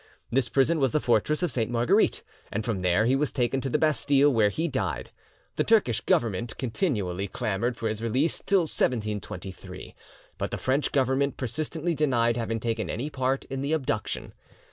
This prison was the fortress of Sainte Marguerite, and from there he was taken to the Bastille, where he died. The Turkish Government continually clamoured for his release till 1723, but the French Government persistently denied having taken any part in the abduction.